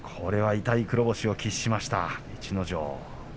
かなり痛い黒星を喫しました逸ノ城。